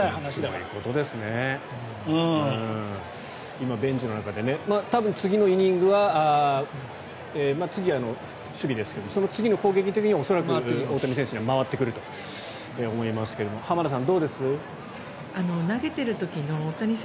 今ベンチの中で多分次のイニングは次は守備ですがその次の攻撃の時には恐らく、大谷選手には回ってくると思いますが浜田さん